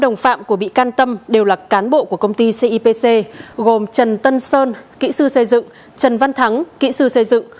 năm đồng phạm của bị can tâm đều là cán bộ của công ty cipc gồm trần tân sơn kỹ sư xây dựng trần văn thắng kỹ sư xây dựng